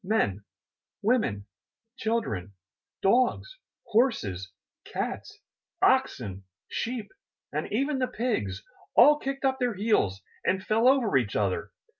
Men, women, children, dogs, horses, cats, oxen, sheep and even the pigs all kicked up their heels and fell over each other!